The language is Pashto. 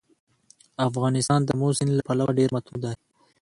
افغانستان د آمو سیند له پلوه ډېر متنوع دی.